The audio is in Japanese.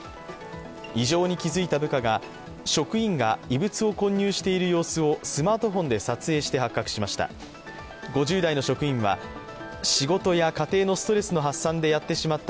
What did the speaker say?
異常に気づいた部下が職員が異物を混入している様子をスマートフォンで撮影して発覚しました。